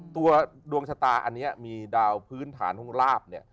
ตัวดวงชะตาอันนี้มีดาวพื้นฐานห้องลาบ